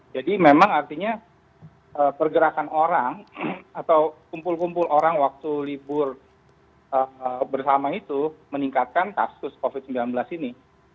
jadi memang artinya pergerakan orang atau kumpul kumpul orang waktu libur bersama itu meningkatkan kasus covid sembilan belas ini